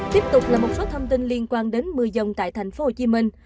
tiếp tục là một số thông tin liên quan đến mưa dông tại thành phố hồ chí minh